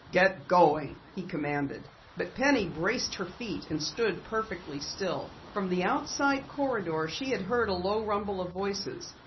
"Get going!" he commanded. But Penny braced her feet and stood perfectly still. From the outside corridor she had heard a low rumble of voices.